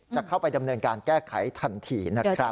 จะเข้าไปดำเนินการแก้ไขทันทีนะครับ